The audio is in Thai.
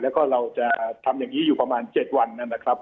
แล้วก็เราจะทำอย่างนี้อยู่ประมาณ๗วันนะครับ